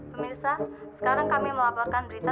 pemirsa sekarang kami melaporkan berita